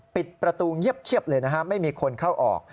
ปิดประตูเย็บเลยนะครับไม่มีคนเข้าออก